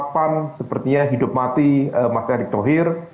pan sepertinya hidup mati mas erick thohir